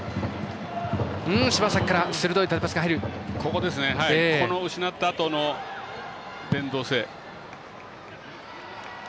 この失ったあとの連動性。